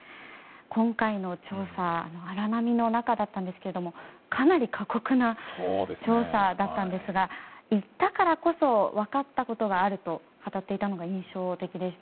今回の調査荒波の中だったんですけれどもかなり過酷な調査だったんですがいったからこそ分かったことがあると語っていたのが印象的でした。